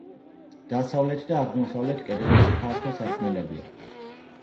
დასავლეთ და აღმოსავლეთ კედლებში ფართო სარკმლებია.